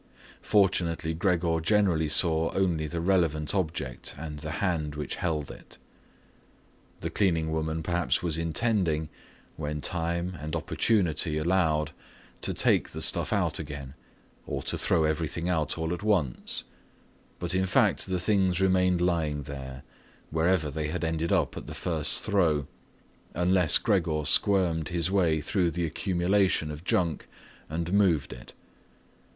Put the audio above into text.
Fortunately Gregor generally saw only the relevant object and the hand which held it. The cleaning woman perhaps was intending, when time and opportunity allowed, to take the stuff out again or to throw everything out all at once, but in fact the things remained lying there, wherever they had ended up at the first throw, unless Gregor squirmed his way through the accumulation of junk and moved it.